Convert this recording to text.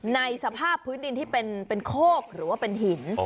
ในสภาพพื้นดินที่เป็นโคกหรือว่าเป็นหิน